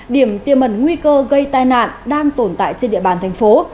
điểm tiềm ẩn nguy cơ gây tai nạn đang tồn tại trên địa bàn tp